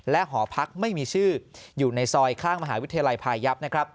และหอพักไม่มีชื่ออยู่ในซอยข้างมหาวิทยาลัยภายัพธิ์